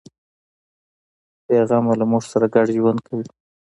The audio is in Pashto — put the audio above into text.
بیغمه له موږ سره ګډ ژوند کوي.